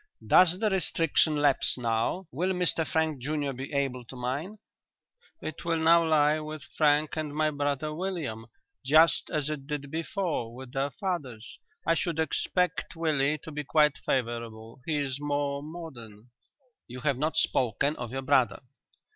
"Does the restriction lapse now; will Mr Frank junior be able to mine?" "It will now lie with Frank and my brother William, just as it did before with their fathers. I should expect Willie to be quite favourable. He is more modern." "You have not spoken of your brother."